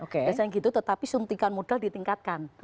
biasanya gitu tetapi suntikan modal ditingkatkan